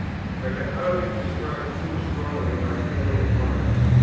I can hardly describe too strongly my feeling upon it.